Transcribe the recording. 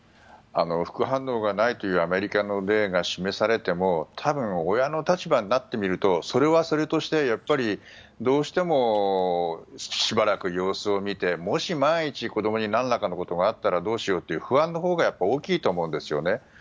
副反応がないというアメリカの例が示されても多分、親の立場になってみるとそれはそれとしてやっぱり、どうしてもしばらく様子を見てもし万一子どもに何かあったらどうしようという不安のほうがやっぱり大きいと思うんですね。